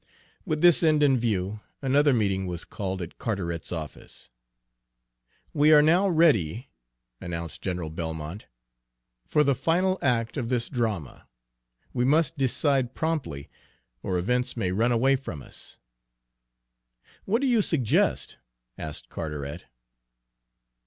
With this end in view, another meeting was called at Carteret's office. "We are now ready," announced General Belmont, "for the final act of this drama. We must decide promptly, or events may run away from us." "What do you suggest?" asked Carteret.